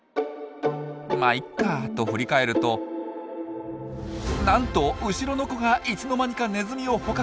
「まっいいか」と振り返るとなんと後ろの子がいつの間にかネズミを捕獲！